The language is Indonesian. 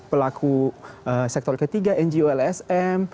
pelaku sektor ketiga ngo lsm